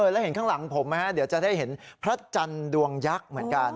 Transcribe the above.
แล้วเห็นข้างหลังผมไหมฮะเดี๋ยวจะได้เห็นพระจันทร์ดวงยักษ์เหมือนกัน